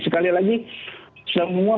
sekali lagi semua